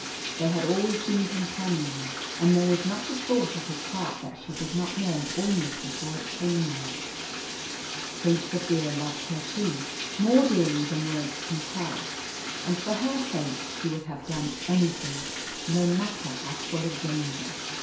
They had always been companions, and there was not a thought of his heart that she did not know almost before it came there. Prince Zaphir loved her too, more dearly than words can tell, and for her sake he would have done anything, no matter how full of danger.